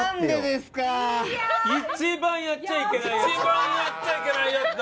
一番やっちゃいけないやつだ。